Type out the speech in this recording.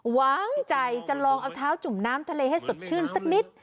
หวังใจจะลองเอาเท้าจุ่มน้ำทะเลให้สดชื่นสักนิด